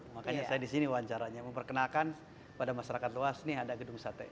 makanya saya di sini wawancaranya memperkenalkan pada masyarakat luas nih ada gedung sate